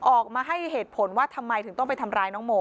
ออกมาให้เหตุผลว่าทำไมถึงต้องไปทำร้ายน้องโม